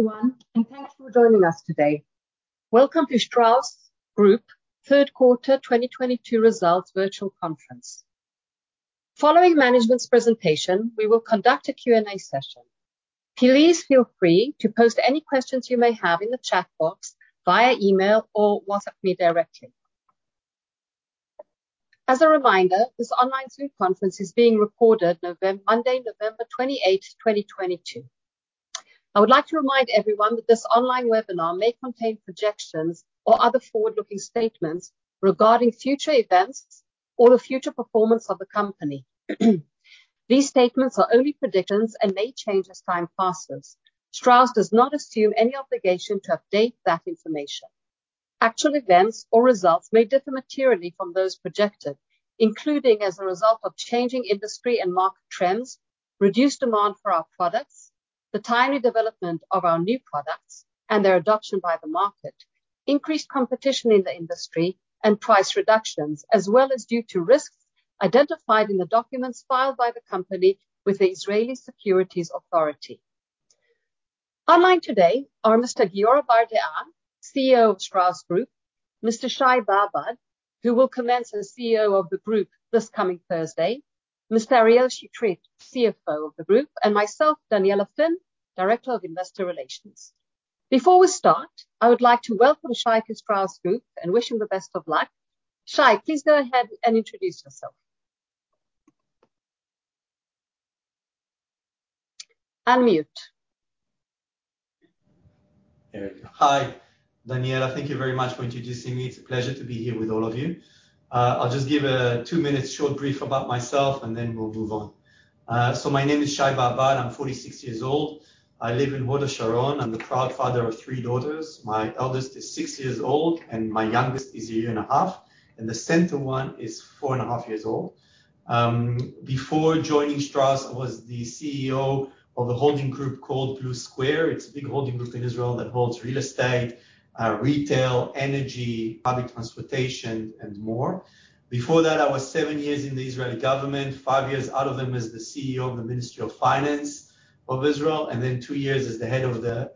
Hi, everyone, thanks for joining us today. Welcome to Strauss Group third quarter 2022 results virtual conference. Following management's presentation, we will conduct a Q&A session. Please feel free to post any questions you may have in the chat box via email or WhatsApp me directly. As a reminder, this online group conference is being recorded Monday, November 28, 2022. I would like to remind everyone that this online webinar may contain projections or other forward-looking statements regarding future events or the future performance of the company. These statements are only predictions and may change as time passes. Strauss does not assume any obligation to update that information. Actual events or results may differ materially from those projected, including as a result of changing industry and market trends, reduced demand for our products, the timely development of our new products and their adoption by the market, increased competition in the industry and price reductions, as well as due to risks identified in the documents filed by the company with the Israel Securities Authority. Online today are Mr. Giora Bardea, CEO of Strauss Group, Mr. Shai Babad, who will commence as CEO of the group this coming Thursday, Mr. Ariel Chetrit, CFO of the group, and myself, Daniella Finn, Director of Investor Relations. Before we start, I would like to welcome Shai to Strauss Group and wish him the best of luck. Shai, please go ahead and introduce yourself. Unmute. There we go. Hi, Daniella. Thank you very much for introducing me. It's a pleasure to be here with all of you. I'll just give a two-minute short brief about myself, and then we'll move on. My name is Shai Babad. I'm 46 years old. I live in Hod Hasharon. I'm the proud father of three daughters. My eldest is six years old, and my youngest is a year and a half, and the center one is four and a half years old. Before joining Strauss, I was the CEO of a holding group called Blue Square. It's a big holding group in Israel that holds real estate, retail, energy, public transportation and more. Before that, I was seven years in the Israeli government, five years out of them as the CEO of the Ministry of Finance of Israel. Two years as the Head of the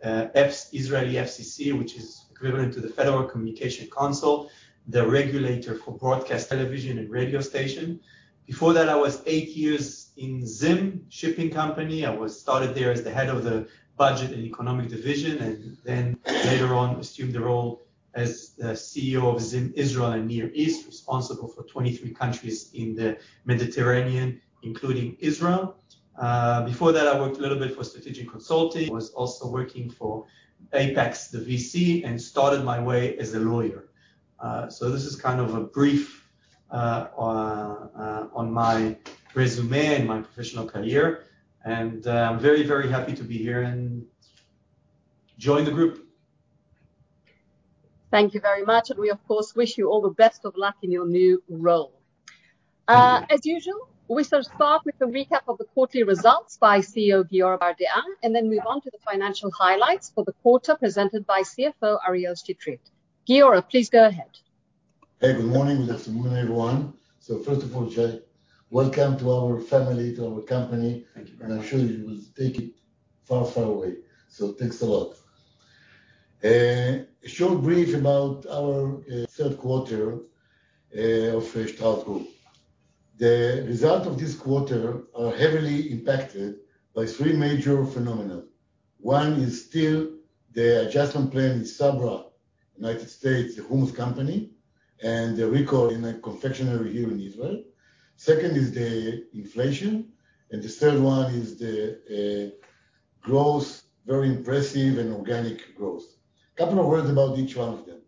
Israeli FCC, which is equivalent to the Federal Communications Commission, the regulator for broadcast television and radio station. Before that, I was eight years in ZIM shipping company. I was started there as the head of the budget and economic division. Then later on assumed the role as the CEO of ZIM Israel and Near East, responsible for 23 countries in the Mediterranean, including Israel. Before that, I worked a little bit for strategic consulting, was also working for Apax, the VC. Started my way as a lawyer. This is kind of a brief on my resume and my professional career. I'm very, very happy to be here and join the group. Thank you very much, and we of course wish you all the best of luck in your new role. As usual, we shall start with a recap of the quarterly results by CEO Giora Bardea, and then move on to the financial highlights for the quarter presented by CFO Ariel Chetrit. Giora, please go ahead. Hey, good morning. Good afternoon, everyone. First of all, Shai, welcome to our family, to our company. Thank you very much. I'm sure you will take it far, far away. Thanks a lot. A short brief about our third quarter of Strauss Group. The result of this quarter are heavily impacted by three major phenomena. One is still the adjustment plan with Sabra, the hummus company, and the recall in a confectionery here in Israel. Second is the inflation, the third one is the growth, very impressive and organic growth. Couple of words about each one of them.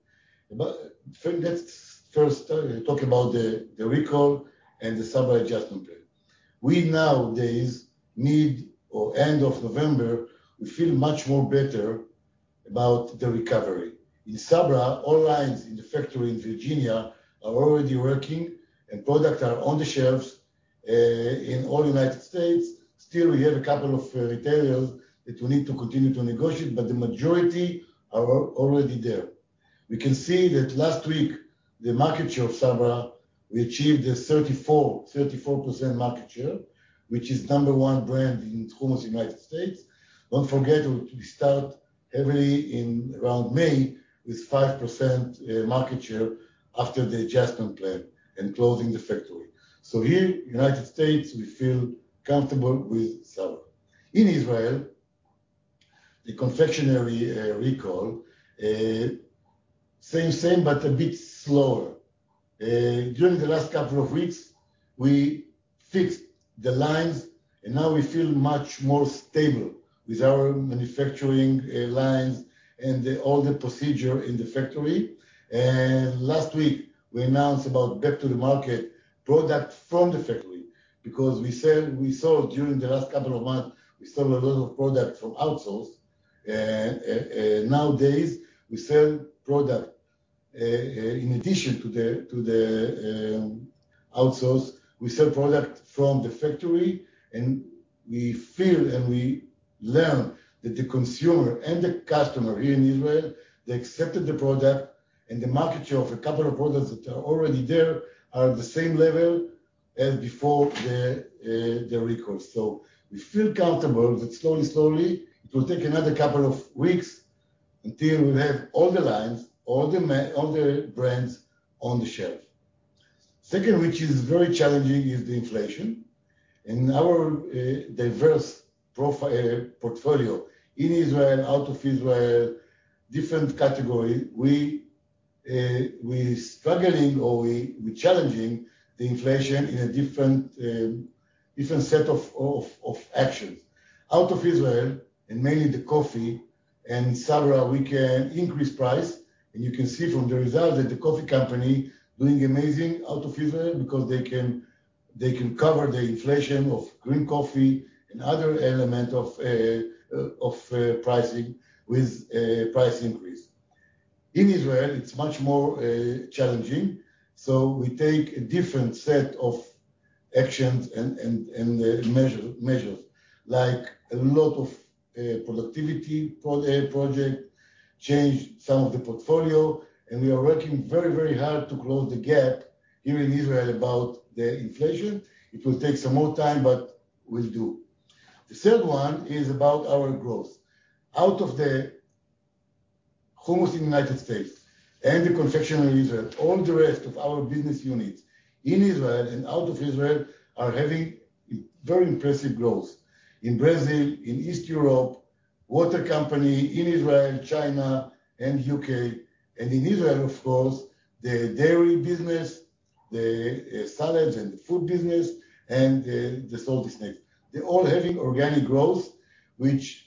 Let's first talk about the recall and the Sabra adjustment plan. We nowadays, mid or end of November, we feel much more better about the recovery. In Sabra, all lines in the factory in Virginia are already working, and products are on the shelves in all United States. Still, we have a couple of retailers that we need to continue to negotiate, but the majority are already there. We can see that last week, the market share of Sabra, we achieved a 34% market share, which is number one brand in hummus in United States. Don't forget, we start every around May with 5% market share after the adjustment plan and closing the factory. Here, United States, we feel comfortable with Sabra. In Israel, the confectionery, recall, but a bit slower. During the last couple of weeks, we fixed the lines, and now we feel much more stable with our manufacturing lines and all the procedure in the factory. Last week, we announced about back to the market product from the factory because we saw during the last couple of months, we sell a lot of product from outsourced. Nowadays, we sell product in addition to the outsourced, we sell product from the factory, and we feel, and we learn that the consumer and the customer here in Israel, they accepted the product, and the market share of a couple of products that are already there are the same level as before the recall. We feel comfortable that slowly it will take another couple of weeks until we have all the lines, all the brands on the shelf. Second, which is very challenging is the inflation. In our diverse portfolio in Israel and out of Israel, different category, we're challenging the inflation in a different set of actions. Out of Israel and mainly the coffee and Sabra, we can increase price and you can see from the results that the coffee company doing amazing out of Israel because they can cover the inflation of green coffee and other element of pricing with a price increase. In Israel, it's much more challenging, so we take a different set of actions and measures. Like a lot of productivity project, change some of the portfolio, and we are working very, very hard to close the gap here in Israel about the inflation. It will take some more time, but we'll do. The third one is about our growth. Out of the hummus in United States and the confectionery in Israel, all the rest of our business units in Israel and out of Israel are having very impressive growth. In Brazil, in East Europe, water company in Israel, China and U.K. In Israel, of course, the dairy business, the salads and food business and the salty snacks. They're all having organic growth, which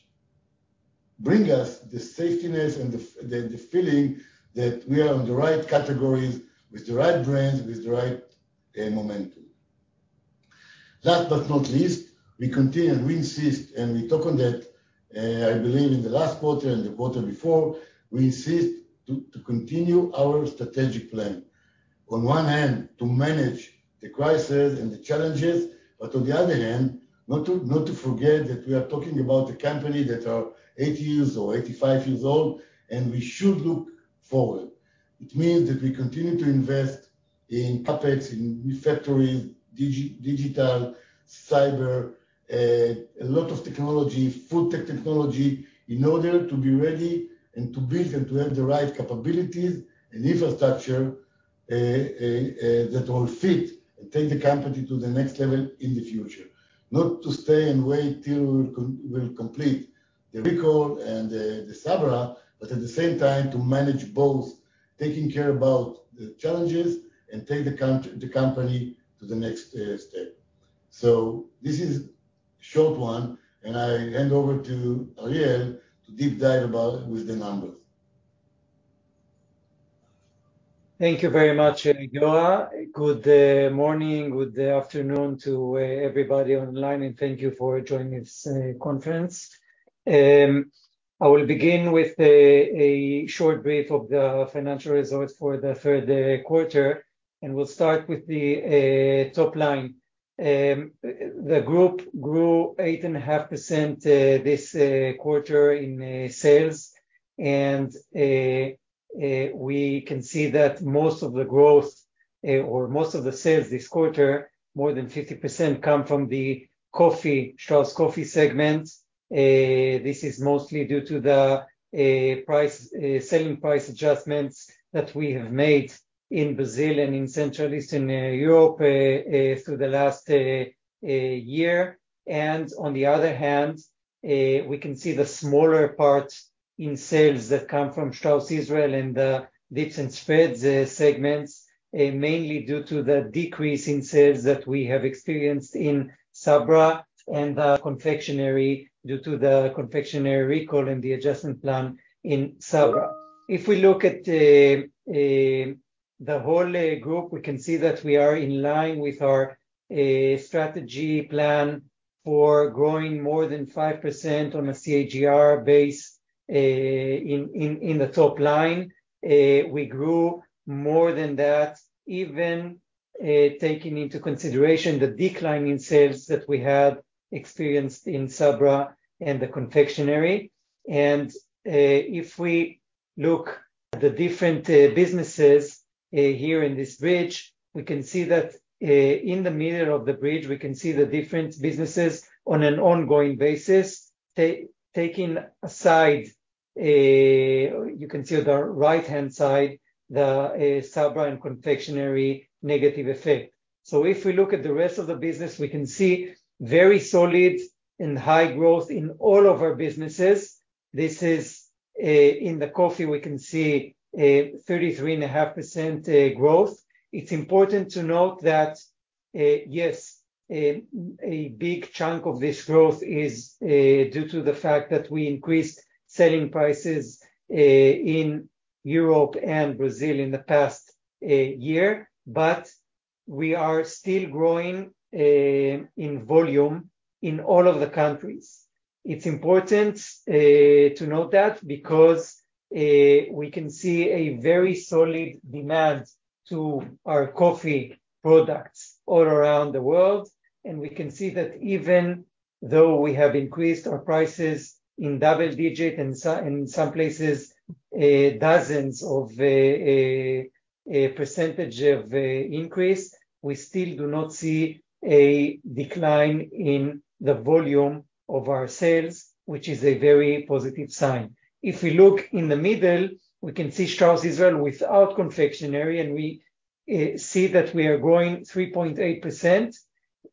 bring us the safety and the feeling that we are on the right categories with the right brands, with the right momentum. Last but not least, we continue and we insist, and we talk on that, I believe in the last quarter and the quarter before, we insist to continue our strategic plan. On one hand to manage the crisis and the challenges, but on the other hand, not to forget that we are talking about the company that are 80 years or 85 years old and we should look forward. It means that we continue to invest in CapEx, in new factories, digital, cyber, a lot of technology, food tech technology in order to be ready and to build and to have the right capabilities and infrastructure that will fit and take the company to the next level in the future. Not to stay and wait till we'll complete the recall and the Sabra, but at the same time to manage both taking care about the challenges and take the company to the next step. This is short one, and I hand over to Ariel to deep dive about with the numbers. Thank you very much, Giora. Good morning, good afternoon to everybody online, thank you for joining this conference. I will begin with a short brief of the financial results for the third quarter, and we'll start with the top line. The group grew 8.5% this quarter in sales. We can see that most of the growth or most of the sales this quarter, more than 50% come from the coffee, Strauss Coffee segment. This is mostly due to the price, selling price adjustments that we have made in Brazil and in Central Eastern Europe through the last year. On the other hand, we can see the smaller parts in sales that come from Strauss Israel and the Dips & Spreads segments, mainly due to the decrease in sales that we have experienced in Sabra and the confectionery due to the confectionery recall and the adjustment plan in Sabra. If we look at the whole Group, we can see that we are in line with our strategy plan for growing more than 5% on a CAGR base in the top line. We grew more than that, even, taking into consideration the decline in sales that we had experienced in Sabra and the confectionery. If we look at the different businesses here in this bridge, we can see that in the middle of the bridge, we can see the different businesses on an ongoing basis. Taking aside, you can see on the right-hand side the Sabra and confectionery negative effect. If we look at the rest of the business, we can see very solid and high growth in all of our businesses. This is in the coffee we can see 33.5% growth. It's important to note that yes, a big chunk of this growth is due to the fact that we increased selling prices in Europe and Brazil in the past year, but we are still growing in volume in all of the countries. It's important to note that because we can see a very solid demand to our coffee products all around the world. We can see that even though we have increased our prices in double-digit and so-in some places, dozens of a percentage of increase, we still do not see a decline in the volume of our sales, which is a very positive sign. If we look in the middle, we can see Strauss Israel without confectionery. We see that we are growing 3.8%.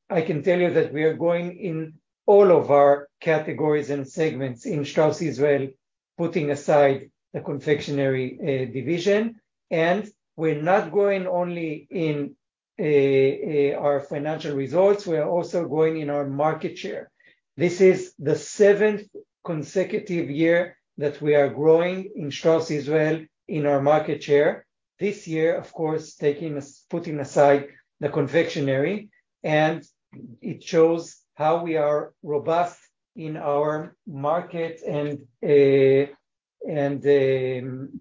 I can tell you that we are growing in all of our categories and segments in Strauss Israel, putting aside the confectionery division. We're not growing only in our financial results, we are also growing in our market share. This is the seventh consecutive year that we are growing in Strauss Israel in our market share. This year, of course, putting aside the confectionery, it shows how we are robust in our market and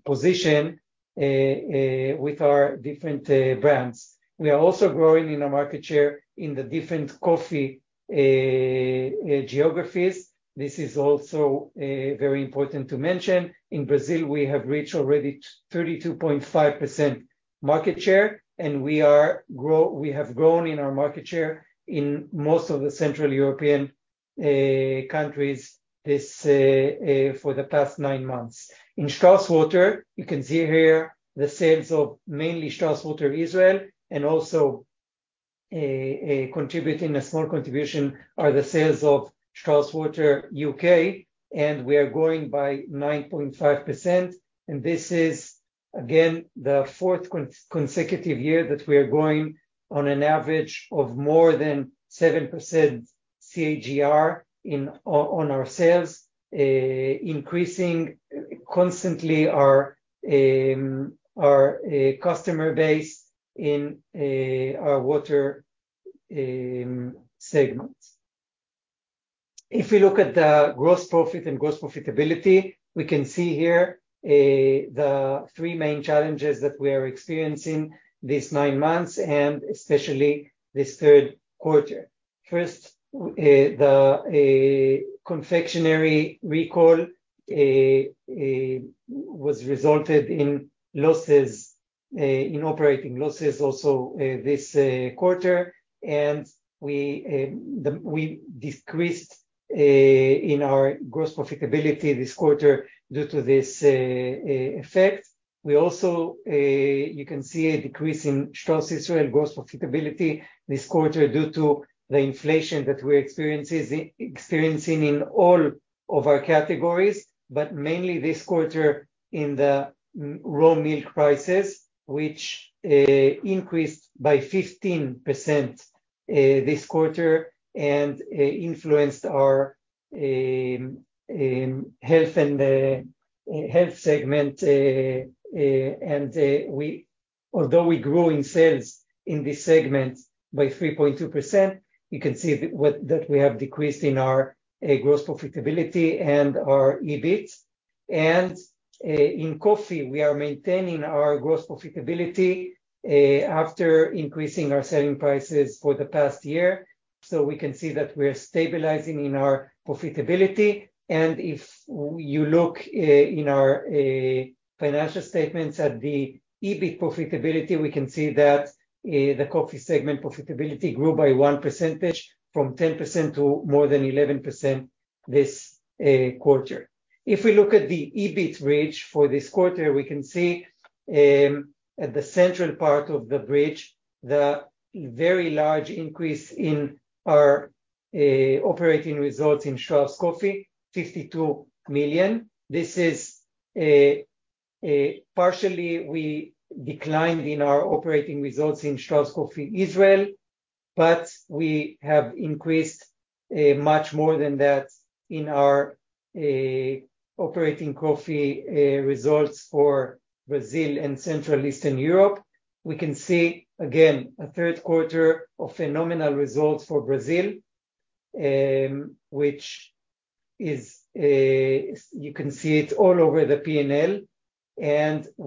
position with our different brands. We are also growing in our market share in the different coffee geographies. This is also very important to mention. In Brazil, we have reached already 32.5% market share. We have grown in our market share in most of the Central European countries this for the past nine months. In Strauss Water, you can see here the sales of mainly Strauss Water Israel and also a contributing, a small contribution are the sales of Strauss Water U.K., and we are growing by 9.5%. This is again the fourth consecutive year that we are growing on an average of more than 7% CAGR on our sales, increasing constantly our customer base in our water segment. If we look at the gross profit and gross profitability, we can see here the three main challenges that we are experiencing these nine months, and especially this third quarter. First, the confectionery recall was resulted in losses, in operating losses also, this quarter. We decreased in our gross profitability this quarter due to this effect. We also, you can see a decrease in Strauss Israel gross profitability this quarter due to the inflation that we're experiences... experiencing in all of our categories, but mainly this quarter in the raw milk prices, which increased by 15% this quarter and influenced our health and health segment. Although we grew in sales in this segment by 3.2%, you can see that we have decreased in our gross profitability and our EBIT. In coffee, we are maintaining our gross profitability after increasing our selling prices for the past year. We can see that we're stabilizing in our profitability. If you look in our financial statements at the EBIT profitability, we can see that the coffee segment profitability grew by one percentage from 10% to more than 11% this quarter. If we look at the EBIT bridge for this quarter, we can see at the central part of the bridge, the very large increase in our operating results in Strauss Coffee, 52 million. This is partially we declined in our operating results in Strauss Coffee Israel, but we have increased much more than that in our operating coffee results for Brazil and Central Eastern Europe. We can see again a third quarter of phenomenal results for Brazil, which is you can see it all over the P&L.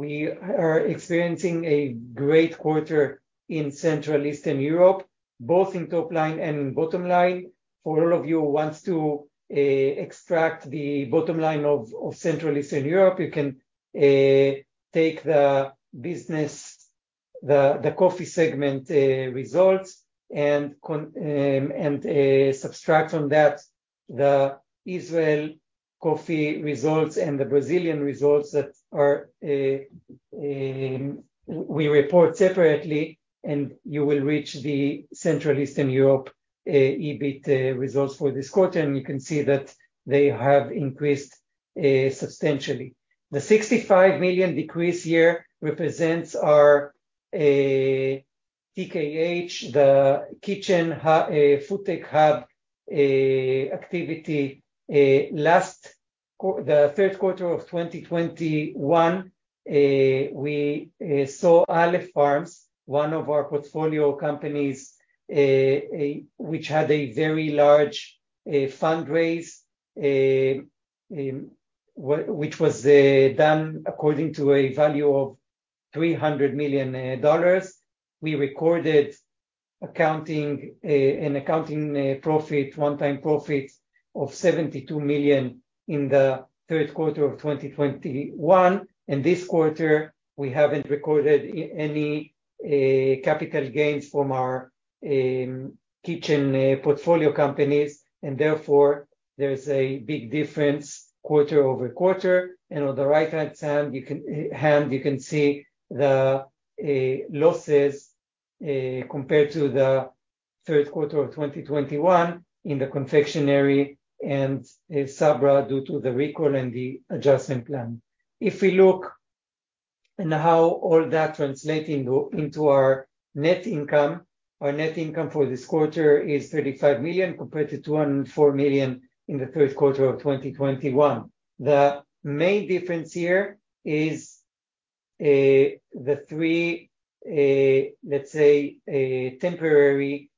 We are experiencing a great quarter in Central Eastern Europe, both in top line and in bottom line. For all of you who wants to extract the bottom line of Central Eastern Europe, you can take the business, the coffee segment results and. Subtract from that the Israel coffee results and the Brazilian results that are, we report separately. You will reach the Central Eastern Europe EBIT results for this quarter, and you can see that they have increased substantially. The 65 million decrease here represents our TKH, The Kitchen FoodTech Hub activity. The third quarter of 2021, we saw Aleph Farms, one of our portfolio companies, which had a very large fundraise, which was done according to a value of ILS 300 million. We recorded an accounting profit, one-time profit of 72 million in the third quarter of 2021. In this quarter, we haven't recorded any capital gains from our kitchen portfolio companies, therefore, there is a big difference quarter-over-quarter. On the right-hand side you can see the losses compared to the third quarter of 2021 in the confectionery and Sabra due to the recall and the adjustment plan. If we look in how all that translating into our net income, our net income for this quarter is 35 million, compared to 14 million in the third quarter of 2021. The main difference here is the three, let's say, temporary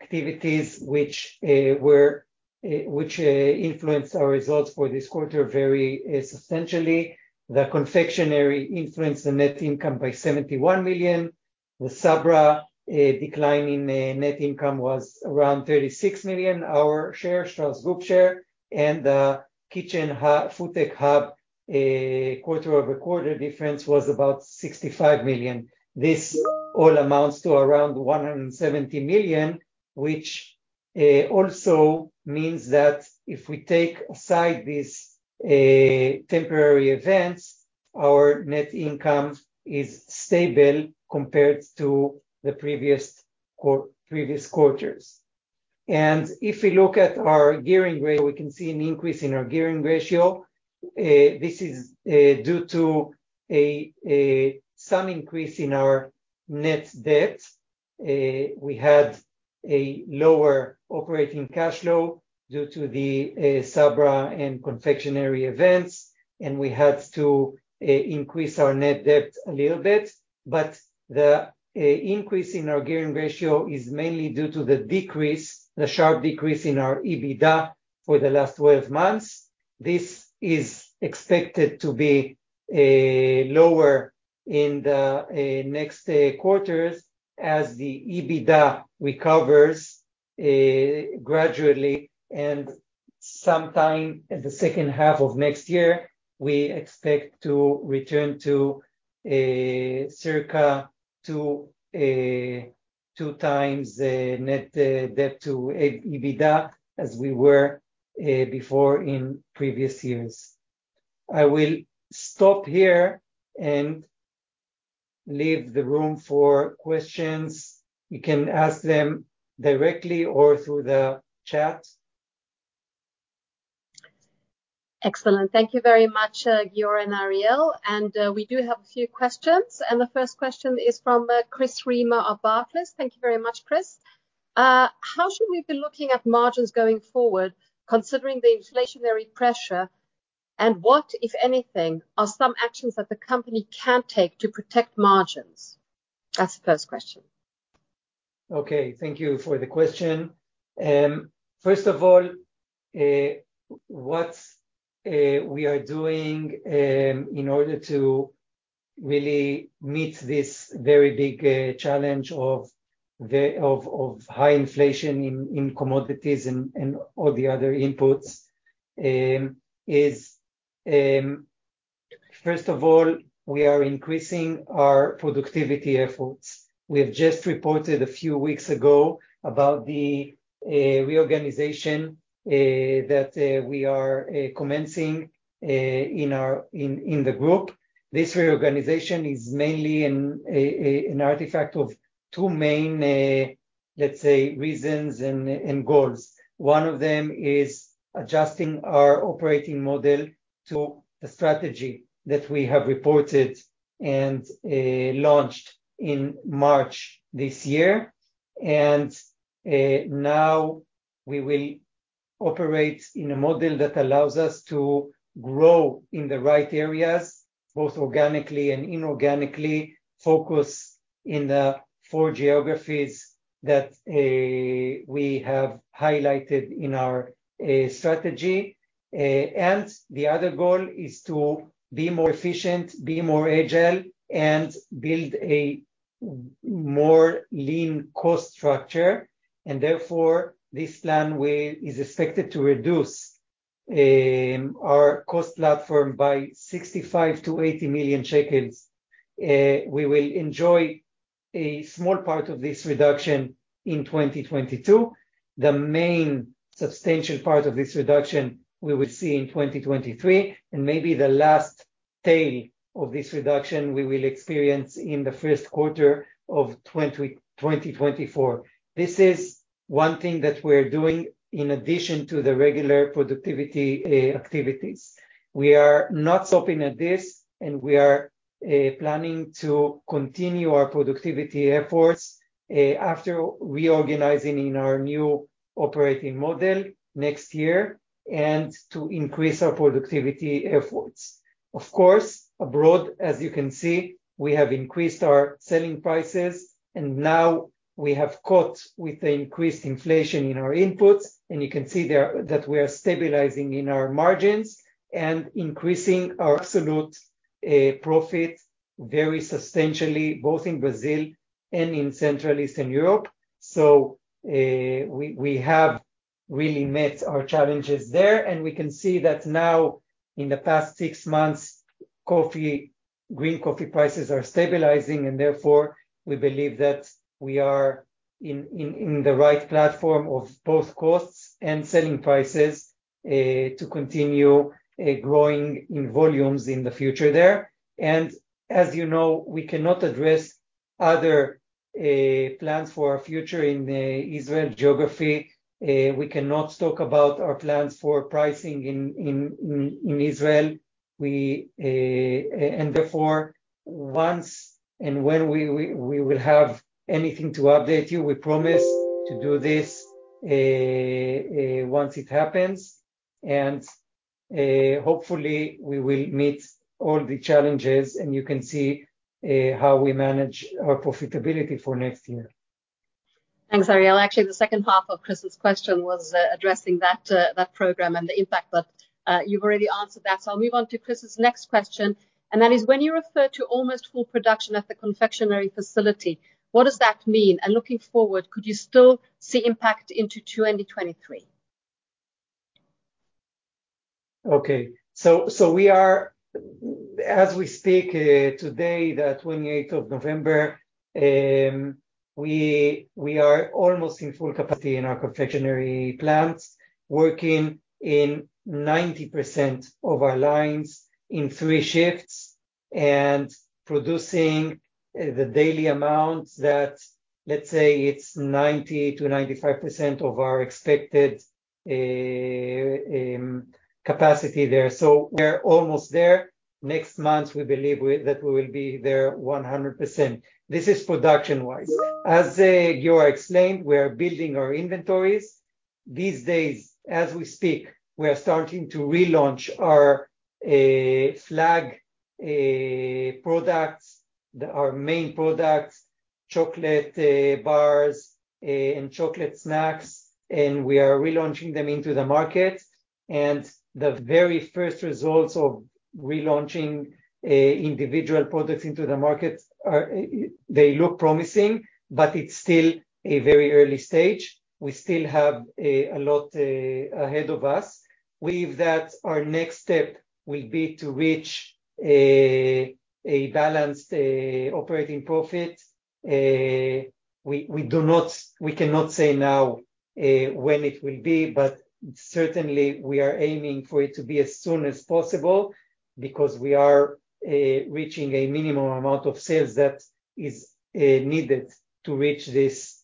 activities which influenced our results for this quarter very substantially. The confectionery influenced the net income by 71 million. The Sabra decline in net income was around 36 million, our share, Strauss Group share. The Kitchen FoodTech Hub quarter-over-quarter difference was about 65 million. This all amounts to around 170 million, which also means that if we take aside these temporary events, our net income is stable compared to the previous quarters. If we look at our gearing ratio, we can see an increase in our gearing ratio. This is due to a some increase in our net debt. We had a lower operating cash flow due to the Sabra and confectionery events, and we had to increase our net debt a little bit. The increase in our gearing ratio is mainly due to the decrease, the sharp decrease in our EBITDA for the last 12 months. This is expected to be lower in the next quarters as the EBITDA recovers gradually. Sometime in the second half of next year, we expect to return to a circa to two times net debt to EBITDA as we were before in previous years. I will stop here and leave the room for questions. You can ask them directly or through the chat. Excellent. Thank you very much, Gior and Ariel. We do have a few questions. The first question is from Chris Reimer of Barclays. Thank you very much, Chris. How should we be looking at margins going forward, considering the inflationary pressure? What, if anything, are some actions that the company can take to protect margins? That's the first question. Thank you for the question. First of all, what we are doing in order to really meet this very big challenge of high inflation in commodities and all the other inputs is, first of all, we are increasing our productivity efforts. We have just reported a few weeks ago about the reorganization that we are commencing in our, in the group. This reorganization is mainly an artifact of two main, let's say, reasons and goals. One of them is adjusting our operating model to the strategy that we have reported and launched in March this year. Now we will operate in a model that allows us to grow in the right areas, both organically and inorganically, focus in the four geographies that we have highlighted in our strategy. The other goal is to be more efficient, be more agile, and build a more lean cost structure, and therefore, this plan is expected to reduce our cost platform by 65 million-80 million shekels. We will enjoy a small part of this reduction in 2022. The main substantial part of this reduction we will see in 2023, and maybe the last tail of this reduction we will experience in the first quarter of 2024. This is one thing that we're doing in addition to the regular productivity activities. We are not stopping at this, we are planning to continue our productivity efforts after reorganizing in our new operating model next year, and to increase our productivity efforts. Of course, abroad, as you can see, we have increased our selling prices, and now we have caught with the increased inflation in our inputs. You can see there that we are stabilizing in our margins and increasing our absolute profit very substantially, both in Brazil and in Central Eastern Europe. We have really met our challenges there, and we can see that now in the past six months, coffee, green coffee prices are stabilizing, and therefore, we believe that we are in the right platform of both costs and selling prices to continue growing in volumes in the future there. As you know, we cannot address other plans for our future in the Israel geography. We cannot talk about our plans for pricing in Israel. Therefore, once and when we will have anything to update you, we promise to do this once it happens. Hopefully we will meet all the challenges, and you can see how we manage our profitability for next year. Thanks, Ariel. Actually, the second half of Chris's question was addressing that that program and the impact, but you've already answered that, so I'll move on to Chris's next question. That is, when you refer to almost full production at the confectionery facility, what does that mean? Looking forward, could you still see impact into 2023? Okay. We are... As we speak, today, the 28th of November, we are almost in full capacity in our confectionery plants, working in 90% of our lines in three shifts, and producing the daily amount that, let's say, it's 90%-95% of our expected capacity there. We're almost there. Next month, we believe that we will be there 100%. This is production-wise. As Giora explained, we are building our inventories. These days, as we speak, we are starting to relaunch our flag products, our main products, chocolate bars and chocolate snacks, and we are relaunching them into the market. The very first results of relaunching individual products into the market are, they look promising, but it's still a very early stage. We still have a lot ahead of us. We believe that our next step will be to reach a balanced operating profit. We do not, we cannot say now when it will be, but certainly we are aiming for it to be as soon as possible because we are reaching a minimum amount of sales that is needed to reach this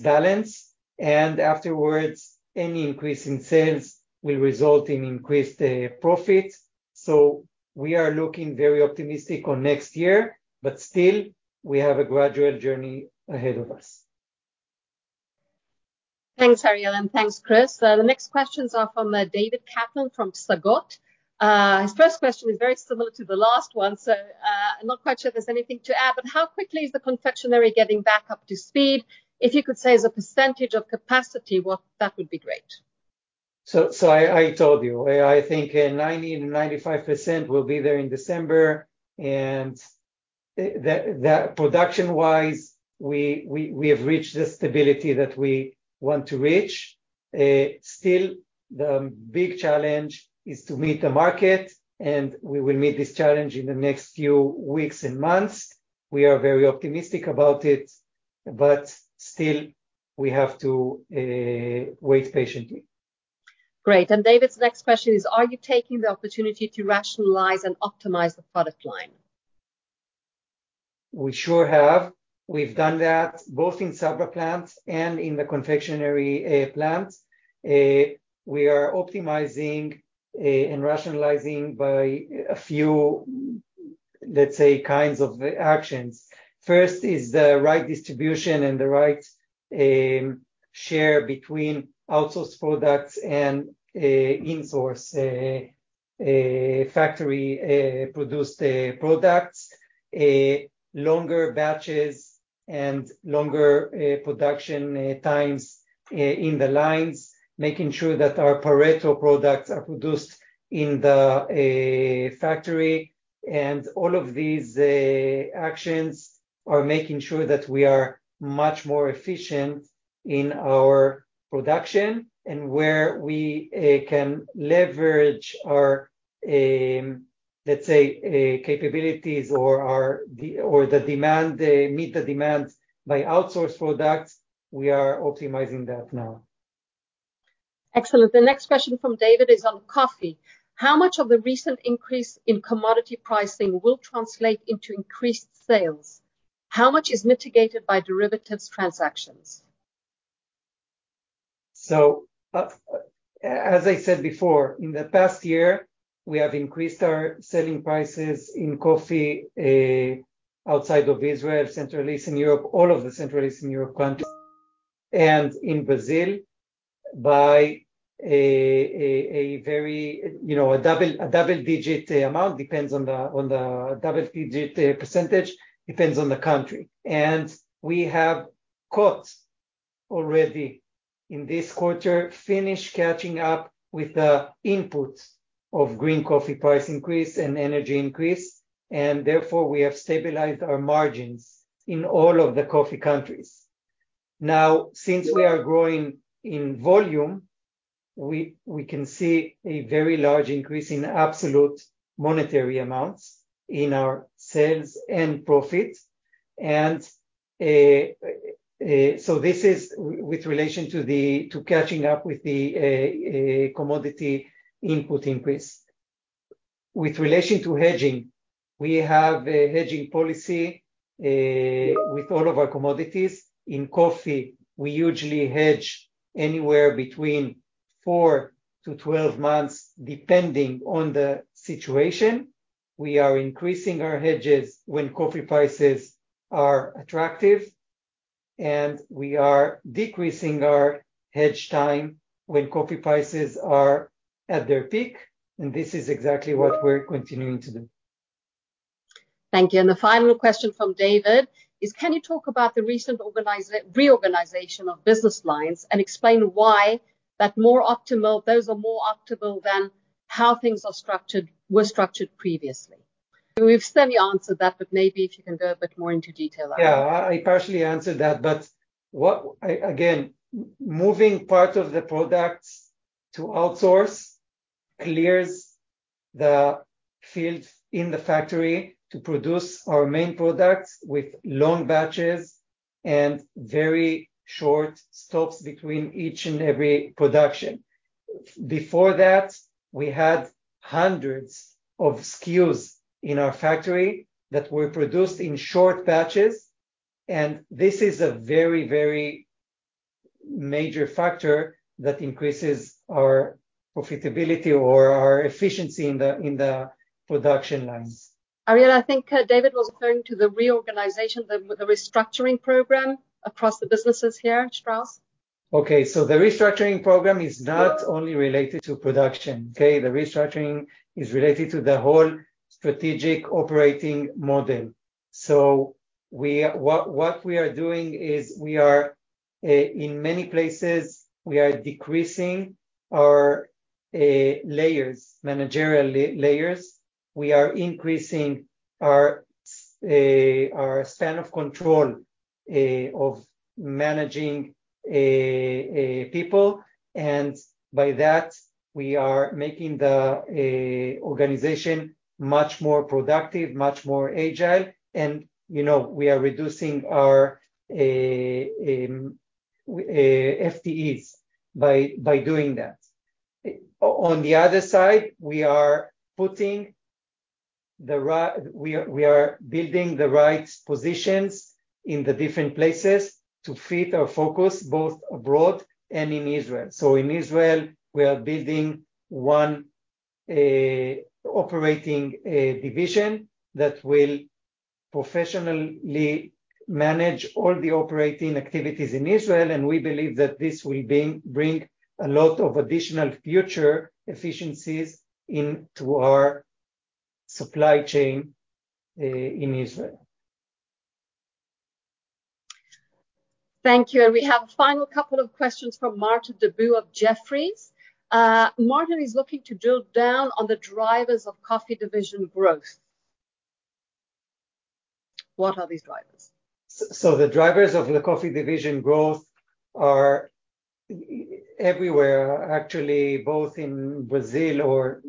balance. Afterwards, any increase in sales will result in increased profit. We are looking very optimistic on next year, but still, we have a gradual journey ahead of us. Thanks, Ariel, and thanks, Chris. The next questions are from David Kaplan from Psagot. His first question is very similar to the last one, I'm not quite sure if there's anything to add. How quickly is the confectionery getting back up to speed? If you could say as a percent of capacity, that would be great. I told you, I think, 90%-95% we'll be there in December. Production-wise, we have reached the stability that we want to reach. Still, the big challenge is to meet the market. We will meet this challenge in the next few weeks and months. We are very optimistic about it, still, we have to wait patiently. Great. David's next question is, are you taking the opportunity to rationalize and optimize the product line? We sure have. We've done that both in Sabra plants and in the confectionery plants. We are optimizing and rationalizing by a few, let's say, kinds of actions. First is the right distribution and the right share between outsourced products and insourced factory produced products. Longer batches and longer production times in the lines, making sure that our parental products are produced in the factory. All of these actions are making sure that we are much more efficient in our production, and where we can leverage our, let's say, capabilities or the demand meet the demand by outsourced products, we are optimizing that now. Excellent. The next question from David is on coffee. How much of the recent increase in commodity pricing will translate into increased sales? How much is mitigated by derivatives transactions? As I said before, in the past year, we have increased our selling prices in coffee outside of Israel, Central Eastern Europe, all of the Central Eastern Europe countries, and in Brazil, by a very, you know, a double-digit amount. Depends on the... Double-digit percentage depends on the country. We have cut. Already in this quarter finished catching up with the input of green coffee price increase and energy increase, and therefore, we have stabilized our margins in all of the coffee countries. Now, since we are growing in volume, we can see a very large increase in absolute monetary amounts in our sales and profit. This is with relation to catching up with the commodity input increase. With relation to hedging, we have a hedging policy, with all of our commodities. In coffee, we usually hedge anywhere between four to 12 months, depending on the situation. We are increasing our hedges when coffee prices are attractive, and we are decreasing our hedge time when coffee prices are at their peak. This is exactly what we're continuing to do. Thank you. The final question from David is: Can you talk about the recent reorganization of business lines and explain why those are more optimal than how things were structured previously? We've slightly answered that, but maybe if you can go a bit more into detail. Yeah. I partially answered that, but moving part of the products to outsource clears the field in the factory to produce our main products with long batches and very short stops between each and every production. Before that, we had hundreds of SKUs in our factory that were produced in short batches, and this is a very major factor that increases our profitability or our efficiency in the production lines. Ariel, I think, David was referring to the reorganization, the restructuring program across the businesses here at Strauss. Okay. The restructuring program is not only related to production, okay? The restructuring is related to the whole strategic operating model. What we are doing is we are, in many places, we are decreasing our layers, managerial layers. We are increasing our span of control of managing people. By that, we are making the organization much more productive, much more agile, and, you know, we are reducing our FTEs by doing that. On the other side, we are building the right positions in the different places to fit our focus, both abroad and in Israel. In Israel, we are building one operating division that will professionally manage all the operating activities in Israel, and we believe that this will bring a lot of additional future efficiencies into our supply chain in Israel. Thank you. We have a final couple of questions from Martin Deboo of Jefferies. Martin is looking to drill down on the drivers of coffee division growth. What are these drivers? The drivers of the coffee division growth are everywhere, actually, both in Brazil or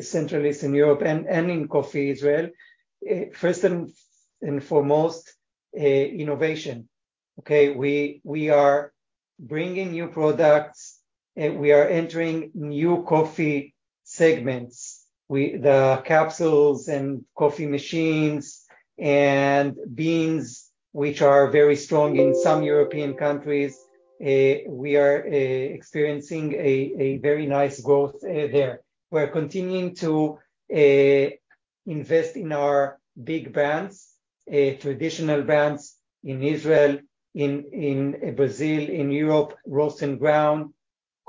Central Eastern Europe and in Coffee Israel. First and foremost, innovation. Okay. We are bringing new products. We are entering new coffee segments. The capsules and coffee machines and beans, which are very strong in some European countries, we are experiencing a very nice growth there. We're continuing to invest in our big brands, traditional brands in Israel, in Brazil, in Europe, roast and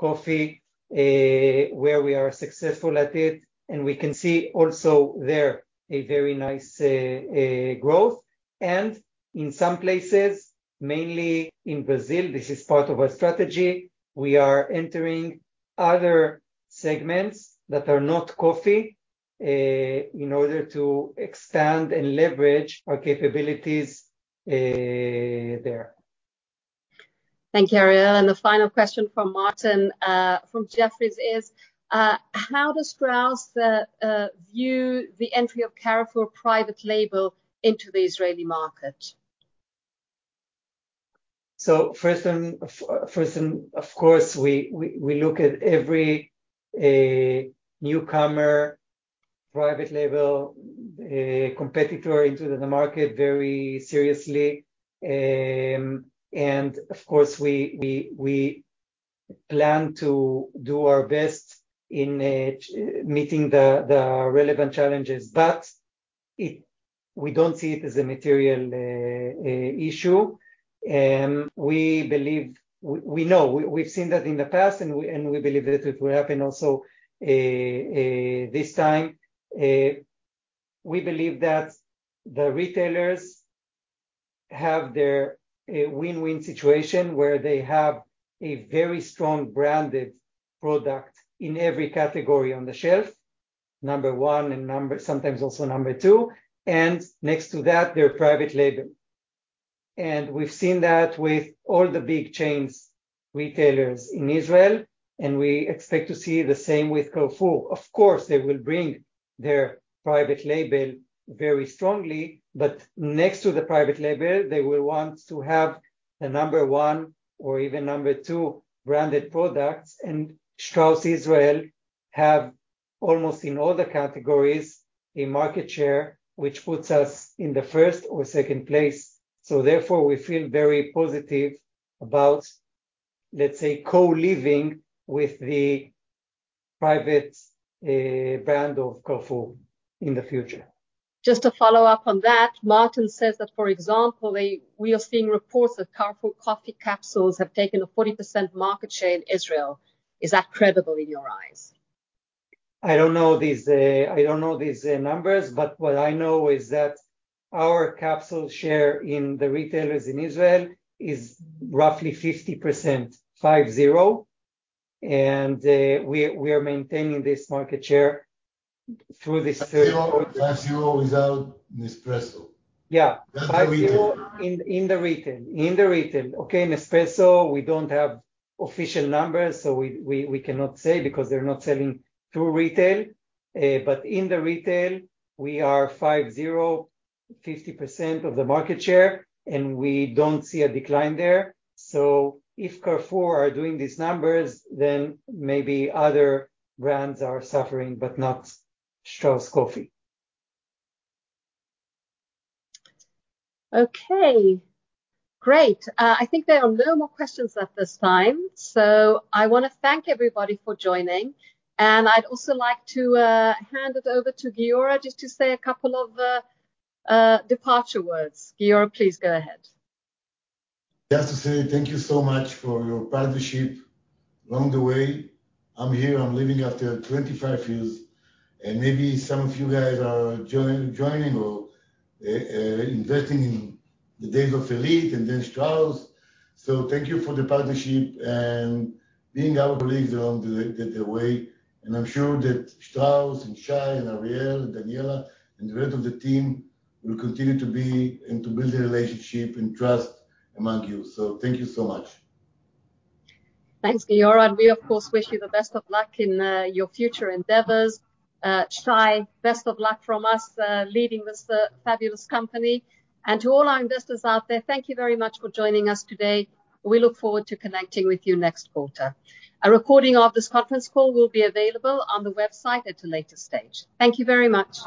ground coffee, where we are successful at it. We can see also there a very nice growth. In some places, mainly in Brazil, this is part of our strategy, we are entering other segments that are not coffee in order to extend and leverage our capabilities there. Thank you, Ariel. The final question from Martin from Jefferies is, how does Strauss view the entry of Carrefour private label into the Israeli market? First and, of course, we look at every newcomer private label competitor into the market very seriously. Of course, we plan to do our best in meeting the relevant challenges. We don't see it as a material issue. We believe. We know. We've seen that in the past, and we believe that it will happen also this time. We believe that the retailers have their win-win situation where they have a very strong branded product in every category on the shelf, number one and sometimes also number two, and next to that, their private label. We've seen that with all the big chains, retailers in Israel, and we expect to see the same with Carrefour. Of course, they will bring their private label very strongly. Next to the private label, they will want to have the number one or even number two branded products. Strauss Israel have, almost in all the categories, a market share which puts us in the first or second place. Therefore, we feel very positive about, let's say, co-living with the private brand of Carrefour in the future. Just to follow up on that, Martin says that, for example, we are seeing reports that Carrefour coffee capsules have taken a 40% market share in Israel. Is that credible in your eyes? I don't know these numbers, but what I know is that our capsule share in the retailers in Israel is roughly 50%, and we are maintaining this market share through this. 50 without Nespresso. Yeah. That's the retail. 50 in the retail. In the retail. Okay, Nespresso, we don't have official numbers, so we cannot say because they're not selling through retail. But in the retail, we are 50% of the market share, and we don't see a decline there. If Carrefour are doing these numbers, then maybe other brands are suffering, but not Strauss Coffee. Okay. Great. I think there are no more questions at this time. I wanna thank everybody for joining. I'd also like to hand it over to Giora just to say a couple of departure words. Giora, please go ahead. Just to say thank you so much for your partnership along the way. I'm here, I'm leaving after 25 years. Maybe some of you guys are joining or investing in the days of Elite and then Strauss. Thank you for the partnership and being our colleagues along the way. I'm sure that Strauss and Shai and Ariel and Daniella and the rest of the team will continue to be and to build a relationship and trust among you. Thank you so much. Thanks, Giora, and we of course wish you the best of luck in your future endeavors. Shai, best of luck from us leading this fabulous company. To all our investors out there, thank you very much for joining us today. We look forward to connecting with you next quarter. A recording of this conference call will be available on the website at a later stage. Thank you very much.